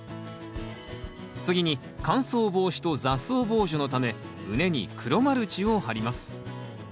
次に乾燥防止と雑草防除のため畝に黒マルチを張ります。